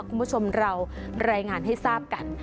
คุณผู้ชมเรารายงานให้ทราบกัน